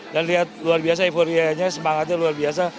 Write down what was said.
dan lihat luar biasa euforianya semangatnya luar biasa